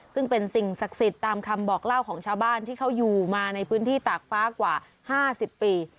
ซึ่งเป็นสิ่งศักดิ์สิทธิ์ตามคำบอกเล่าของชาวบ้านที่เขาอยู่มาในพื้นที่ตากฟ้ากว่า๕๐ปี